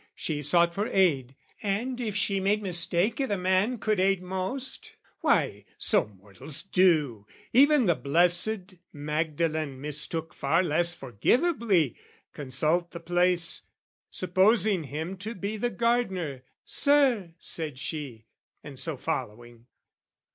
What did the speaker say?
"She sought for aid; and if she made mistake "I' the man could aid most, why so mortals do: "Even the blessed Magdalen mistook "Far less forgiveably: consult the place "Supposing him to be the gardener, "'Sir,' said she, and so following."